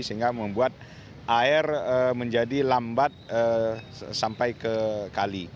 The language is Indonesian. sehingga membuat air menjadi lambat sampai ke kali